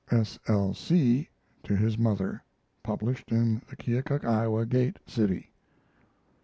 [S. L. C. to his mother. Published in the Keokuk (Iowa) Gate city.